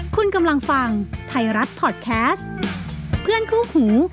คุณกำลังฟังไทยรัฐพอร์ตแคสต์เพื่อนคู่หู